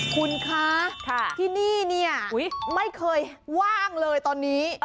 คุณคะที่นี่เนี่ยไม่เคยว่างเลยตอนนี้